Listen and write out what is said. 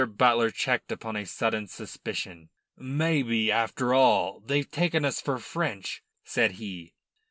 Butler checked upon a sudden suspicion. "Maybe, after all, they've taken us for French," said he.